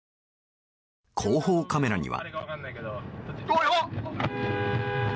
後方カメラには。